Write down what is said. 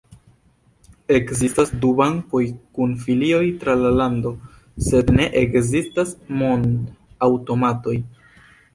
Ekzistas du bankoj kun filioj tra la lando sed ne ekzistas mon-aŭtomatoj.